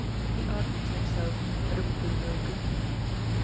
He argued to himself that it would do no good.